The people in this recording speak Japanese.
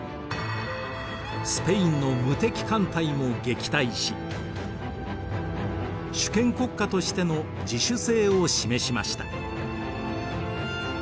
スペインの無敵艦隊も撃退し主権国家としての自主性を示しました。